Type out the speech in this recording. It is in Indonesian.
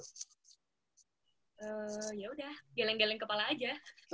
hmm yaudah geleng geleng kepala aja